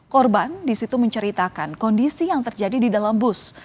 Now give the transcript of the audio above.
korban di situ menceritakan kondisi yang terjadi di dalam bus